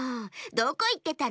どこいってたの？